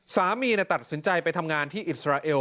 สามีตัดสินใจไปทำงานที่อิสราเอล